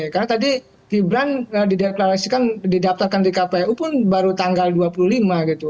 karena tadi gibran dideklarasikan didaftarkan di kpu pun baru tanggal dua puluh lima gitu